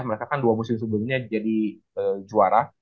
mereka kan dua musim sebelumnya jadi juara